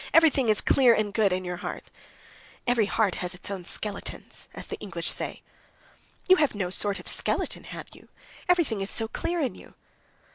"Everything is clear and good in your heart." "Every heart has its own skeletons, as the English say." "You have no sort of skeleton, have you? Everything is so clear in you."